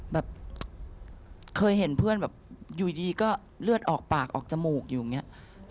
แบบเคยเห็นเพื่อนแบบอยู่ดีก็เลือดออกปากออกจมูกอยู่อย่างนี้